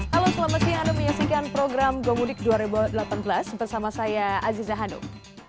halo selamat siang anda menyaksikan program gomudik dua ribu delapan belas bersama saya aziza hanum